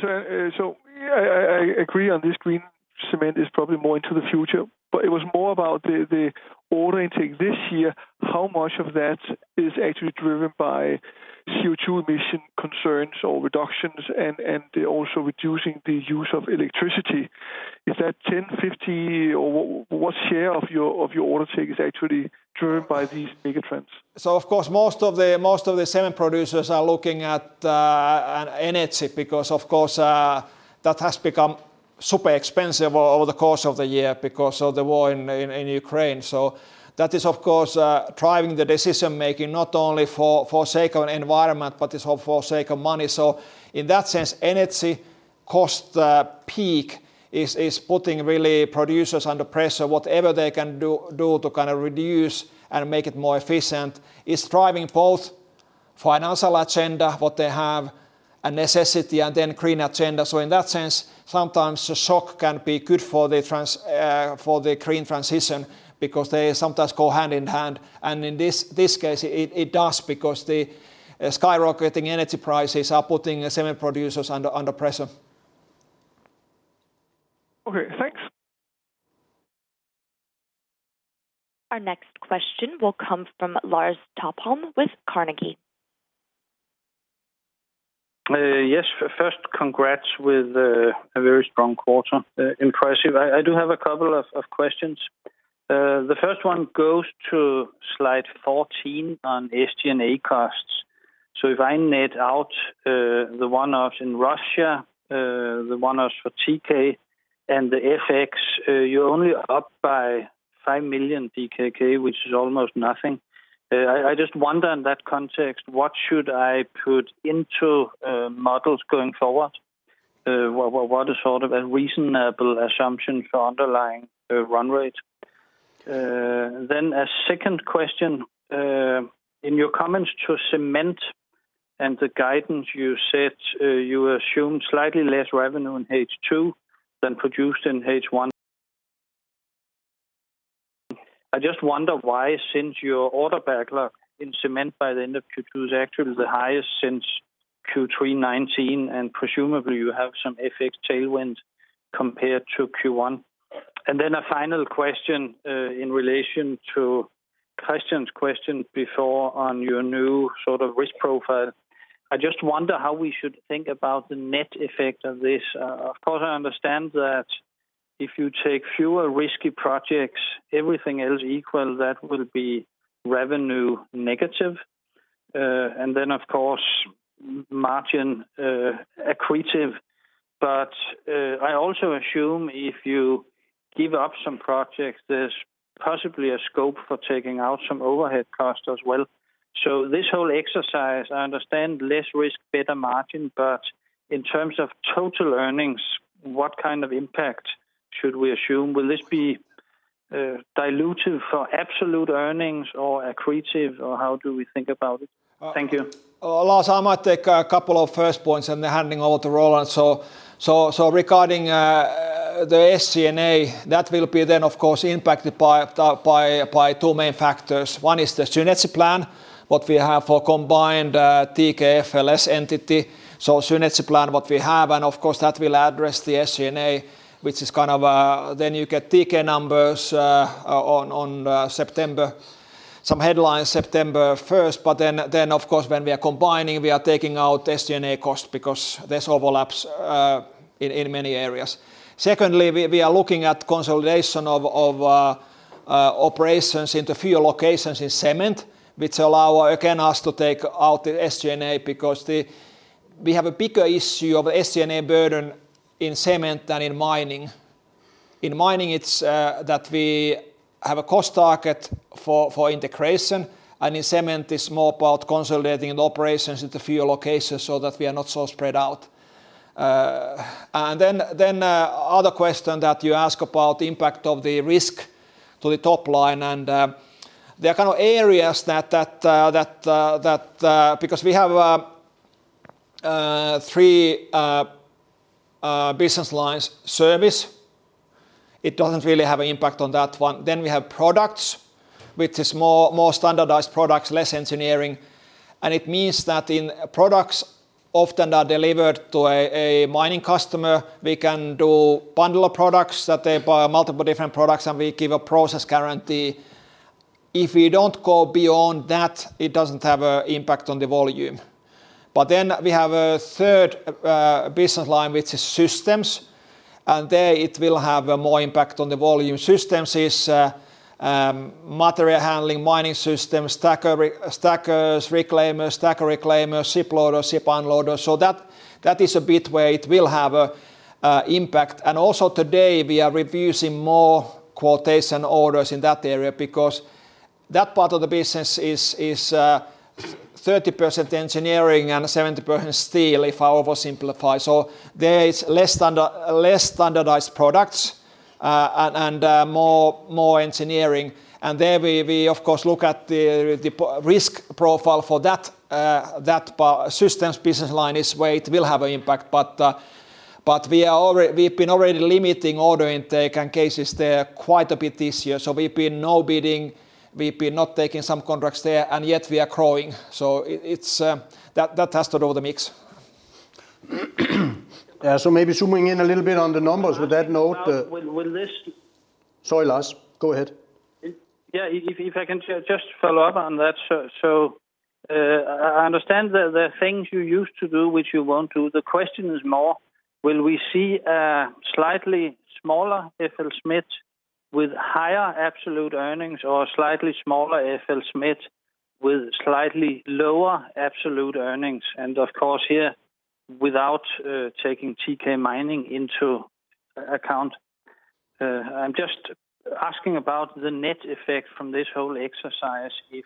I agree on this green cement is probably more into the future, but it was more about the order intake this year, how much of that is actually driven by CO2 emission concerns or reductions and also reducing the use of electricity. Is that 10%-50% or what share of your order intake is actually driven by these bigger trends? Of course, most of the cement producers are looking at energy because of course that has become super expensive over the course of the year because of the war in Ukraine. That is of course driving the decision making not only for sake of environment, but it's for sake of money. In that sense, energy cost peak is putting producers under real pressure. Whatever they can do to kind of reduce and make it more efficient is driving both financial agenda, what they have, a necessity and then green agenda. In that sense, sometimes a shock can be good for the green transition because they sometimes go hand in hand. In this case it does because the skyrocketing energy prices are putting cement producers under pressure. Okay, thanks. Our next question will come from Lars Topholm with Carnegie. Yes. First, congrats with a very strong quarter. Impressive. I do have a couple of questions. The first one goes to slide 14 on SG&A costs. So if I net out the one-offs in Russia, the one-offs for TK and the FX, you're only up by 5 million DKK, which is almost nothing. I just wonder in that context what should I put into models going forward? What is sort of a reasonable assumption for underlying run rate? Then a second question. In your comments to cement and the guidance you set, you assume slightly less revenue in H2 than produced in H1. I just wonder why since your order backlog in cement by the end of Q2 is actually the highest since Q3 2019, and presumably you have some FX tailwinds compared to Q1. A final question, in relation to Kristian's question before on your new sort of risk profile. I just wonder how we should think about the net effect of this. Of course, I understand that if you take fewer risky projects, everything else equal, that will be revenue negative. And then of course margin accretive. I also assume if you give up some projects, there's possibly a scope for taking out some overhead costs as well. This whole exercise, I understand less risk, better margin, but in terms of total earnings, what kind of impact should we assume? Will this be, dilutive for absolute earnings or accretive, or how do we think about it? Thank you. Lars, I might take a couple of first points, and then handing over to Roland. Regarding the SG&A, that will be then of course impacted by two main factors. One is the synergy plan, what we have for combined TK FLS entity. Synergy plan what we have, and of course that will address the SG&A, which is kind of. Then you get TK numbers on September, some headlines September first. Then of course when we are combining, we are taking out SG&A costs because this overlaps in many areas. Secondly, we are looking at consolidation of operations into fewer locations in cement, which allow again us to take out the SG&A because we have a bigger issue of SG&A burden in cement than in mining. In mining, it's that we have a cost target for integration, and in cement it's more about consolidating the operations into fewer locations so that we are not so spread out. Other question that you ask about impact of the risk to the top line, and there are kind of areas that because we have three business lines. Service, it doesn't really have an impact on that one. We have products, which is more standardized products, less engineering, and it means that in products often are delivered to a mining customer. We can do bundle of products that they buy multiple different products, and we give a process guarantee. If we don't go beyond that, it doesn't have an impact on the volume. We have a third business line, which is systems, and there it will have a more impact on the volume. Systems is material handling, mining systems, stackers, reclaimers, stacker reclaimers, ship loaders, ship unloaders. That is a bit where it will have a impact. Today we are refusing more quotation orders in that area because that part of the business is 30% engineering and 70% steel, if I oversimplify. There is less standardized products, and more engineering. There we of course look at the risk profile for that systems business line is where it will have an impact. We have been already limiting order intake and cases there quite a bit this year. We've been not bidding, we've been not taking some contracts there, and yet we are growing. That has to do with the mix. Yeah. Maybe zooming in a little bit on the numbers with that note. I think now with this. Sorry, Lars. Go ahead. Yeah, if I can just follow up on that. I understand the things you used to do, which you won't do. The question is more, will we see a slightly smaller FLSmidth with higher absolute earnings or a slightly smaller FLSmidth with slightly lower absolute earnings? Of course here, without taking TK Mining into account. I'm just asking about the net effect from this whole exercise if,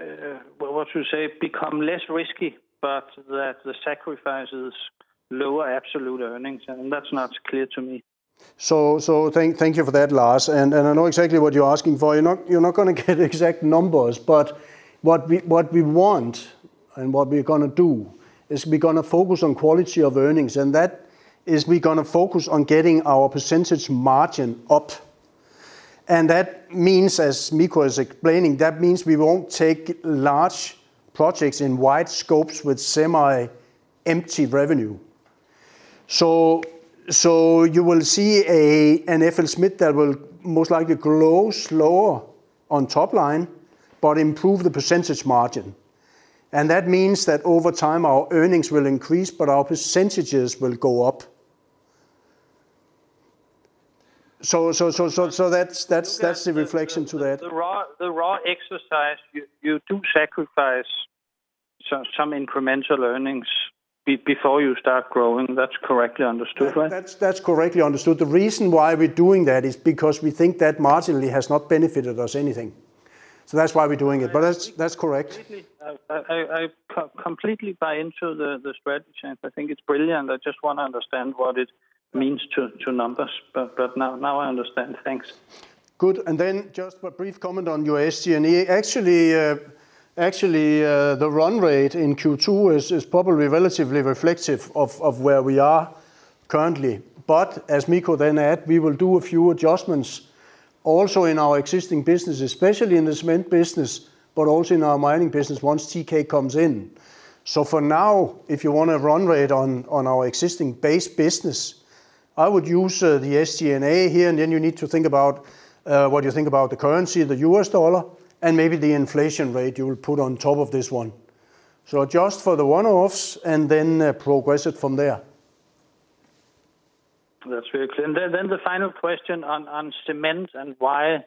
as you say, become less risky, but that the sacrifice is lower absolute earnings, and that's not clear to me. Thank you for that, Lars. I know exactly what you're asking for. You're not gonna get exact numbers, but what we want and what we're gonna do is we're gonna focus on quality of earnings, and that is we're gonna focus on getting our percentage margin up. That means, as Mikko is explaining, we won't take large projects in wide scopes with semi-empty revenue. You will see an FLSmidth that will most likely grow slower on top line, but improve the percentage margin. That means that over time our earnings will increase, but our percentages will go up. That's the reflection to that. The raw exercise, you do sacrifice some incremental earnings before you start growing. That's correctly understood, right? That's correctly understood. The reason why we're doing that is because we think that marginally has not benefited us anything. That's why we're doing it. That's correct. Completely. I completely buy into the strategy, and I think it's brilliant. I just wanna understand what it means to numbers. Now I understand. Thanks. Good. Just a brief comment on your SG&A. Actually, the run rate in Q2 is probably relatively reflective of where we are currently. As Mikko then add, we will do a few adjustments also in our existing business, especially in the cement business, but also in our mining business once TK comes in. For now, if you want a run rate on our existing base business, I would use the SG&A here, and then you need to think about what you think about the currency, the US dollar, and maybe the inflation rate you will put on top of this one. Adjust for the one-offs and then progress it from there. That's very clear. Then the final question on cement and why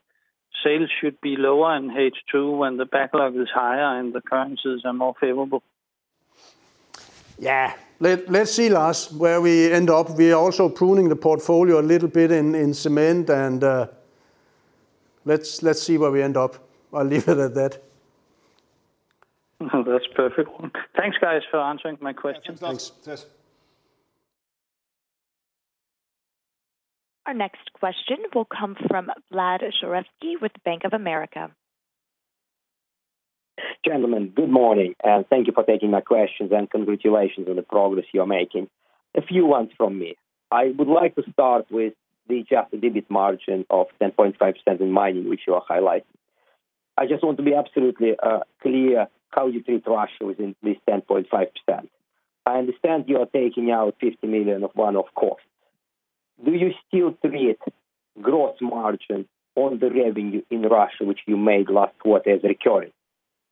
sales should be lower in H2 when the backlog is higher and the currencies are more favorable? Yeah. Let's see, Lars, where we end up. We're also pruning the portfolio a little bit in cement and let's see where we end up. I'll leave it at that. That's perfect. Thanks guys for answering my questions. Thanks, Lars. Thanks. Our next question will come from Vlad Sergievskiy with Bank of America. Gentlemen, good morning, and thank you for taking my questions, and congratulations on the progress you're making. A few ones from me. I would like to start with the adjusted EBIT margin of 10.5% in mining, which you are highlighting. I just want to be absolutely clear how you treat Russia within this 10.5%. I understand you are taking out 50 million of one-off costs. Do you still see a gross margin on the revenue in Russia which you made last quarter as recurring?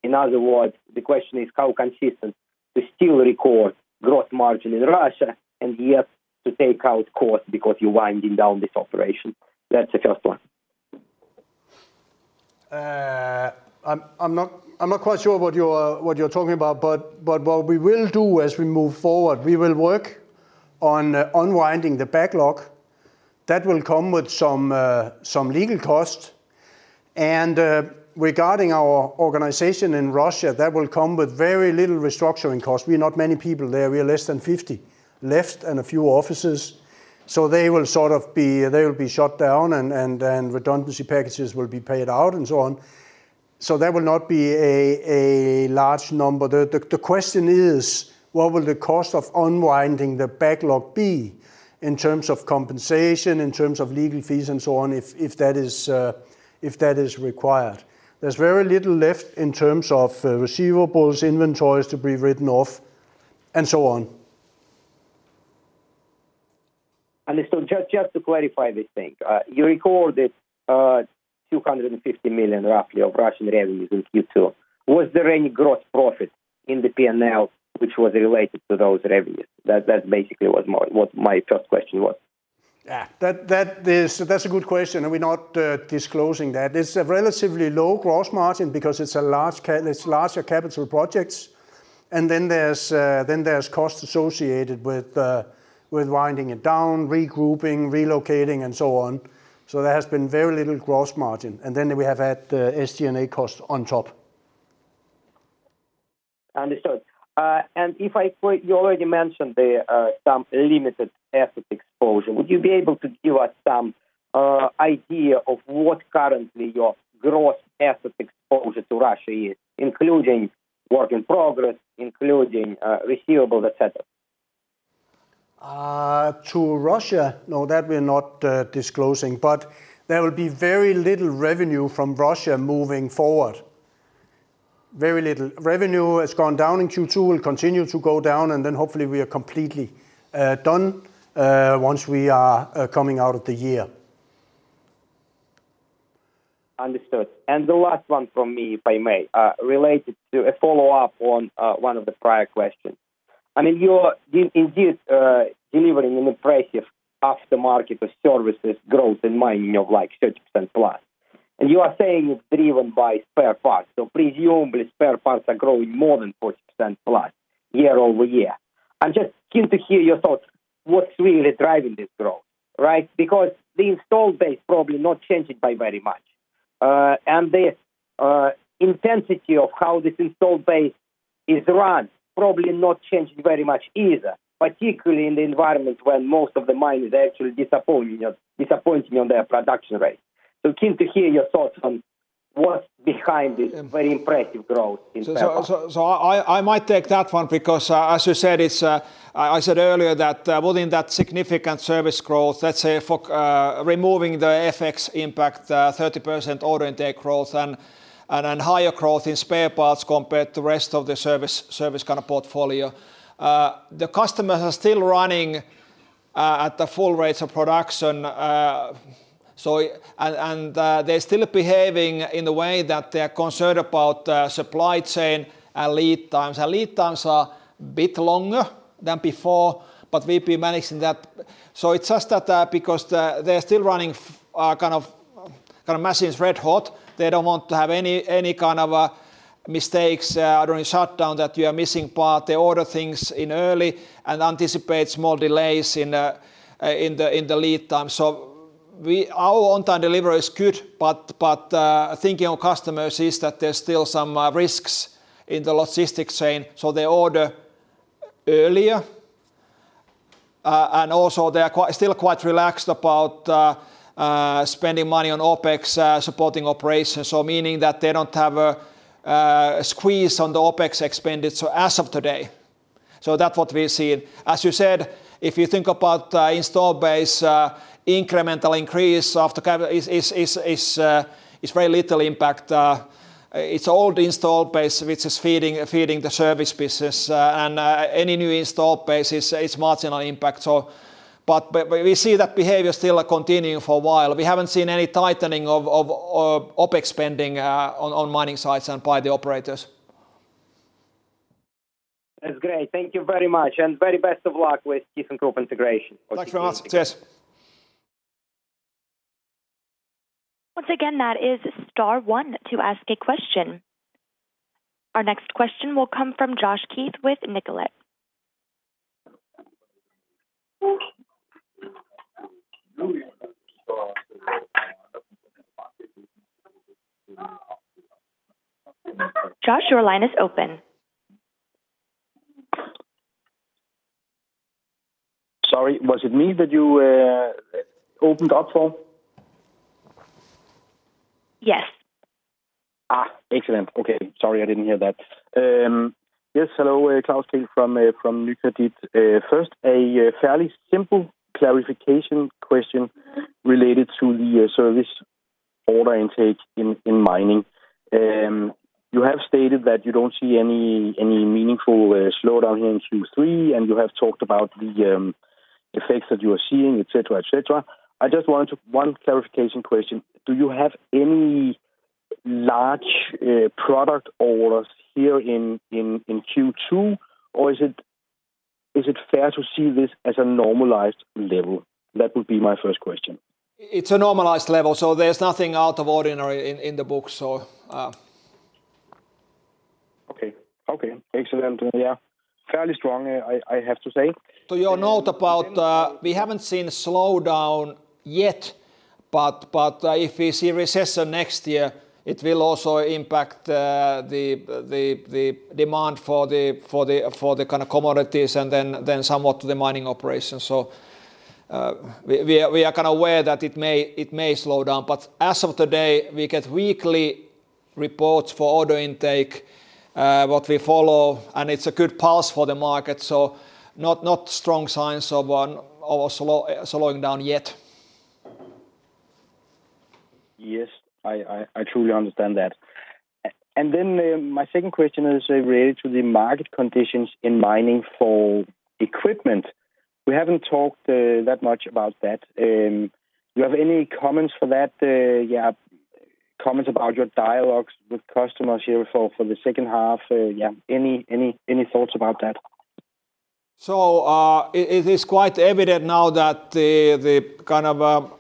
In other words, the question is how consistent to still record gross margin in Russia and yet to take out costs because you're winding down this operation. That's the first one. I'm not quite sure what you're talking about, but what we will do as we move forward, we will work on unwinding the backlog. That will come with some legal costs. Regarding our organization in Russia, that will come with very little restructuring costs. We're not many people there. We are less than 50 left and a few offices. They will be shut down and redundancy packages will be paid out, and so on. There will not be a large number. The question is, what will the cost of unwinding the backlog be in terms of compensation, in terms of legal fees, and so on, if that is required? There's very little left in terms of receivables, inventories to be written off, and so on. Understood. Just to clarify this thing. You recorded roughly 250 million of Russian revenues in Q2. Was there any gross profit in the P&L which was related to those revenues? That basically was my first question. Yeah. That is a good question, and we're not disclosing that. It's a relatively low gross margin because it's larger capital projects. There's costs associated with winding it down, regrouping, relocating, and so on. There has been very little gross margin. We have had SG&A costs on top. Understood. You already mentioned there some limited asset exposure. Would you be able to give us some idea of what currently your gross asset exposure to Russia is, including work in progress, including receivables, et cetera? To Russia? No, that we're not disclosing. There will be very little revenue from Russia moving forward. Very little. Revenue has gone down in Q2, will continue to go down, and then hopefully we are completely done once we are coming out of the year. Understood. The last one from me, if I may, related to a follow-up on one of the prior questions. I mean, you're indeed delivering an impressive aftermarket of services growth in mining of like 30%+. You are saying it's driven by spare parts, so presumably spare parts are growing more than 40%+ year-over-year. I'm just keen to hear your thoughts, what's really driving this growth, right? Because the installed base probably not changed by very much. The intensity of how this installed base is run probably not changed very much either, particularly in the environment where most of the miners are actually disappointing on their production rates. Keen to hear your thoughts on What's behind this very impressive growth in spare parts? I might take that one because as you said, I said earlier that within that significant service growth, let's say for removing the FX impact, 30% order intake growth and higher growth in spare parts compared to rest of the service kind of portfolio. The customers are still running at the full rates of production. They're still behaving in the way that they're concerned about supply chain and lead times. Lead times are a bit longer than before, but we've been managing that. It's just that because they're still running kind of machines red hot, they don't want to have any kind of mistakes during shutdown that you are missing part. They order things in early and anticipate small delays in the lead time. Our on-time delivery is good, but thinking of customers is that there's still some risks in the logistics chain, so they order earlier. And also they are still quite relaxed about spending money on OpEx supporting operations, so meaning that they don't have a squeeze on the OpEx expenditures as of today. That's what we're seeing. As you said, if you think about installed base, incremental increase of the capital is very little impact. It's old installed base which is feeding the service business, and any new installed base is marginal impact. But we see that behavior still continuing for a while. We haven't seen any tightening of OpEx spending on mining sites and by the operators. That's great. Thank you very much, and very best of luck with thyssenkrupp Group integration. Thanks for asking. Yes. Once again, that is star one to ask a question. Our next question will come from Klaus Kehl with Nykredit. Klaus, your line is open. Sorry, was it me that you opened up for? Yes. Excellent. Okay. Sorry, I didn't hear that. Yes, hello. Klaus Kehl from Nykredit. First, a fairly simple clarification question related to the service order intake in mining. You have stated that you don't see any meaningful slowdown in Q3, and you have talked about the effects that you are seeing, et cetera. I just wanted one clarification question. Do you have any large product orders here in Q2, or is it fair to see this as a normalized level? That would be my first question. It's a normalized level, so there's nothing out of the ordinary in the books. Okay. Excellent. Yeah. Fairly strong, I have to say. To your note about, we haven't seen a slowdown yet, but if we see recession next year, it will also impact the demand for the kind of commodities and then somewhat the mining operations. We are kind of aware that it may slow down. But as of today, we get weekly reports for order intake what we follow, and it's a good pulse for the market. Not strong signs of slowing down yet. Yes. I truly understand that. My second question is related to the market conditions in mining for equipment. We haven't talked that much about that. Do you have any comments for that? Yeah, comments about your dialogues with customers here for the second half. Yeah. Any thoughts about that? It is quite evident now that the kind of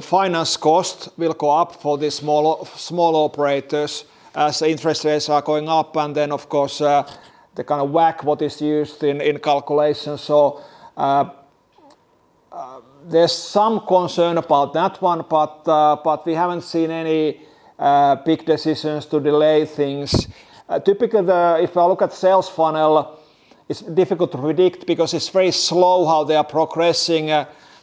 finance cost will go up for the small operators as interest rates are going up, and then of course the kind of WACC what is used in calculations. There's some concern about that one, but we haven't seen any big decisions to delay things. Typically, if I look at sales funnel, it's difficult to predict because it's very slow how they are progressing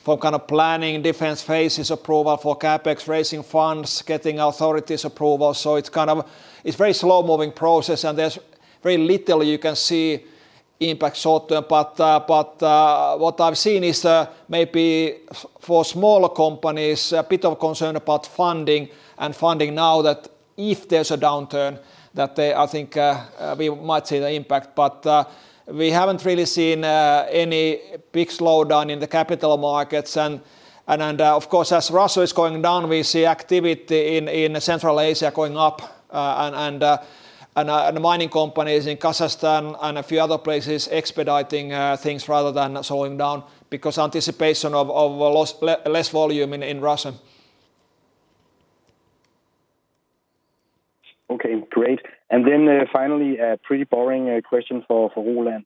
for kind of planning different phases, approval for CapEx, raising funds, getting authorities approval. It's very slow-moving process, and there's very little you can see impact short term. What I've seen is maybe for smaller companies a bit of concern about funding now that if there's a downturn that they I think we might see the impact. We haven't really seen any big slowdown in the capital markets and of course as Russia is going down we see activity in Central Asia going up and mining companies in Kazakhstan and a few other places expediting things rather than slowing down because anticipation of less volume in Russia. Okay. Great. Finally, a pretty boring question for Roland.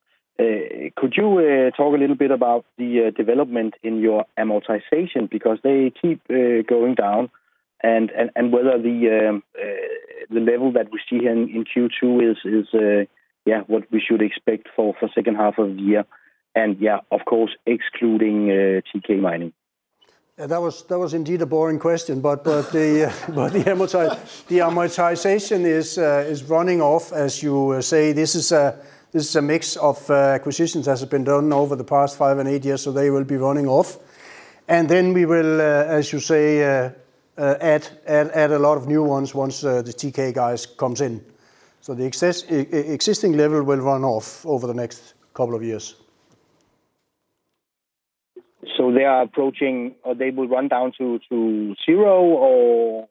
Could you talk a little bit about the development in your amortization? Because they keep going down and whether the level that we see in Q2 is yeah what we should expect for second half of the year, and yeah, of course, excluding TK Mining. Yeah, that was indeed a boring question. The amortization is running off. As you say, this is a mix of acquisitions that has been done over the past five and eight years, so they will be running off. Then we will, as you say, add a lot of new ones once the TK guys comes in. The existing level will run off over the next couple of years. They will run down to zero or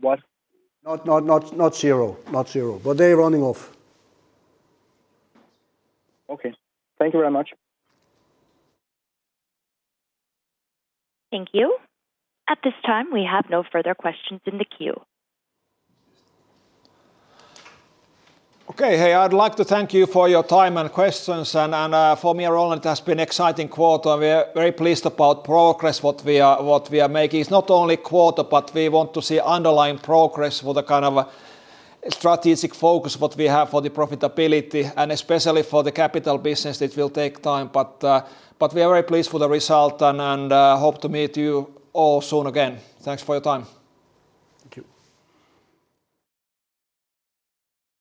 what? Not zero. Not zero. They're running off. Okay. Thank you very much. Thank you. At this time, we have no further questions in the queue. Okay. Hey, I'd like to thank you for your time and questions. For me and Roland, it has been exciting quarter. We are very pleased about progress, what we are making. It's not only quarter, but we want to see underlying progress for the kind of strategic focus what we have for the profitability and especially for the capital business. It will take time, but we are very pleased for the result and hope to meet you all soon again. Thanks for your time. Thank you.